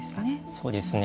そうですね。